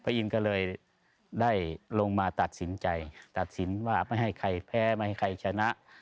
อินก็เลยได้ลงมาตัดสินใจตัดสินว่าไม่ให้ใครแพ้ไม่ให้ใครชนะ